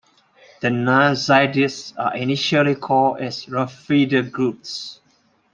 The non-Zaydis are initially called as Rafida Groups.